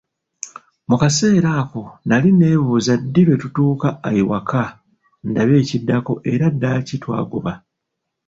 Mu kaseera ako nali neebuuza ddi lwe tutuuka ewaka ndabe ekiddako, era ddaaki twagoba.